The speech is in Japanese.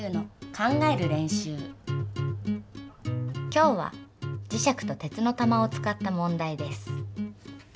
今日は磁石と鉄の玉を使った問題です。